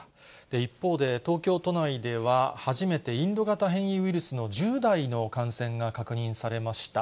一方で、東京都内では、初めてインド型変異ウイルスの１０代の感染が確認されました。